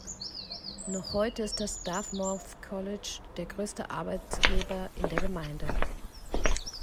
Noch heute ist das Dartmouth College der größte Arbeitgeber in der Gemeinde.